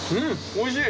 おいしい？